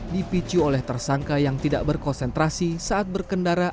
dipicu oleh tersangka yang tidak berkonsentrasi saat berkendara